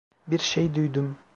Bir şey duydum.